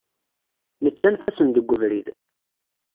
Nettanef-asen deg ubrid.